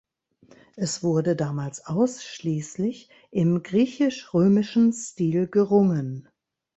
Es wurde damals ausschließlich im griechisch-römischen Stil gerungen.